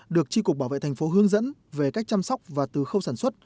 được tri cục bảo vệ thành phố hướng dẫn về cách chăm sóc và từ khâu sản xuất